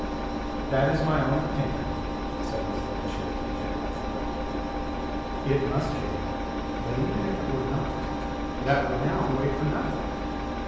"That is my own opinion," said his lordship gently. "It must be. But even if it were not, that would now weigh for nothing.